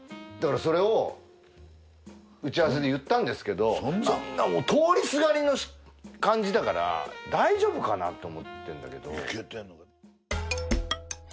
だからそれを打ち合わせで言ったんですけどそんな通りすがりの感じだから大丈夫かなって思ってんだけど。